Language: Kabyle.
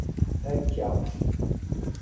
Akka.